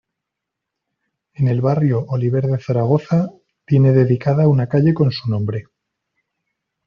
En el barrio Oliver de Zaragoza tiene dedicada una calle con su nombre.